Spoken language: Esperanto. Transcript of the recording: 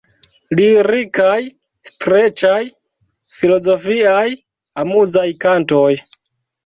Lirikaj, streĉaj, filozofiaj, amuzaj kantoj.